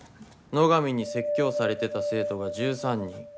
野上に説教されてた生徒が１３人。